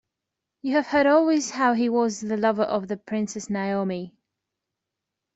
You have heard always how he was the lover of the Princess Naomi.